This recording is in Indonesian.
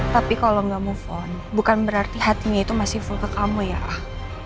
tapi kalau nggak move on bukan berarti hatinya itu masih full ke kamu ya ah